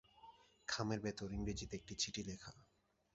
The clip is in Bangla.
খামের ভেতর ইংরেজিতে একটা চিঠি লেখা।